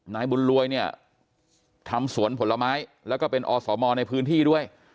นายบุญรวยเนี่ยทำสวนผลไม้แล้วก็เป็นอสมในพื้นที่ด้วย